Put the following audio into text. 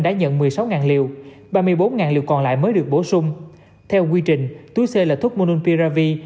đã nhận một mươi sáu liều ba mươi bốn liều còn lại mới được bổ sung theo quy trình túi c là thuốc monunpiravi